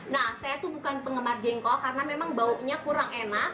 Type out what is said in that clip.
nah saya tuh bukan penggemar jengkol karena memang baunya kurang enak